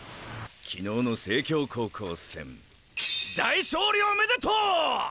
昨日の成京高校戦大勝利おめでとう！